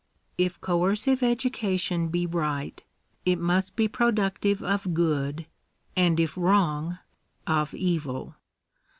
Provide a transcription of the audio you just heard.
If coercive education be right, it must be productive of good, : and if wrong, of evil.